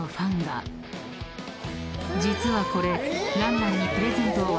［実はこれ］